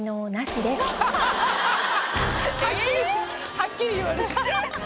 はっきり言われちゃった。